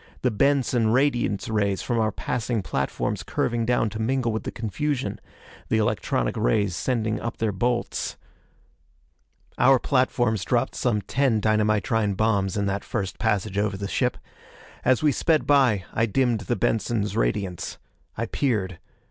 The Benson radiance rays from our passing platforms curving down to mingle with the confusion. The electronic rays sending up their bolts.... Our platforms dropped some ten dynamitrine bombs in that first passage over the ship. As we sped by, I dimmed the Benson's radiance. I peered.